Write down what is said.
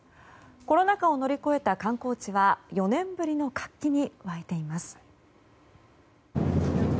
コロナ禍を乗り越えた観光地は４年ぶりの活気に沸いています。